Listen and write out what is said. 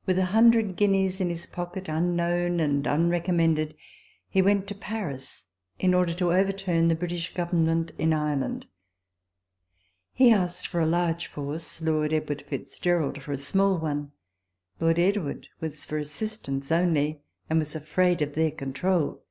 f With a hundred guineas in his pocket, unknown and unrecommended, he went to Paris in order to overturn the British Government in Ireland. He asked for a large force ; Lord Edward Fitzgerald for a small one. Lord Edward was for assistance only, and was afraid of their control.